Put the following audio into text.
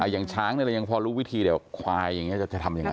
อย่างช้างพอรู้วิธีเดี๋ยวควายจะทำอย่างไร